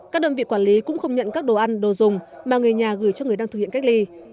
các đơn vị quản lý cũng không nhận các đồ ăn đồ dùng mà người nhà gửi cho người đang thực hiện cách ly